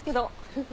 フフ。